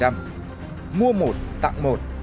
mua một tặng một